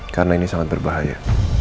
karena ini sangat berbahaya